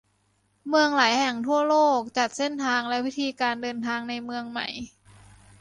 เมืองหลายแห่งทั่วโลกจัดเส้นทางและวิธีการเดินทางในเมืองใหม่